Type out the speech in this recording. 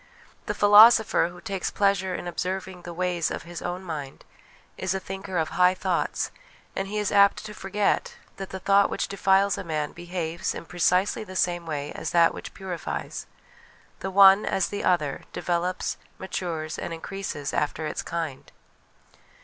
The philosopher, who takes pleasure in observing the ways of his own mind, is a thinker of high thoughts, and he is apt to forget that the thought which defiles a man behaves in precisely the same way as that which purifies : the one, as the other, develops, matures, and increases after its kind.